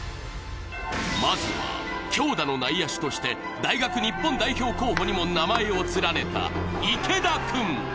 まずは強打の内野手として大学日本代表にも名前を連ねた池田君。